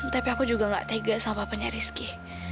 tapi aku juga gak tega sama punya rizky